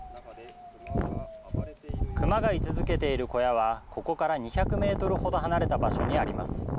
クマが居続けている小屋は、ここから２００メートルほど離れた場所にあります。